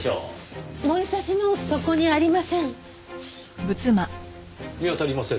燃えさしのそこにありません？